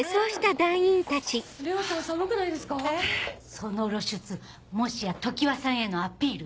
その露出もしや常葉さんへのアピール？